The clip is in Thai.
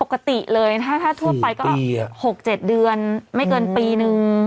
ปกติเลยถ้าถ้าทั่วไปก็หกเจ็ดเดือนไม่เกินปีนึง